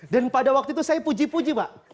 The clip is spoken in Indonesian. dan pada waktu itu saya puji puji pak